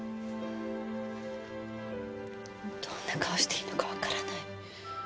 どんな顔していいのかわからない。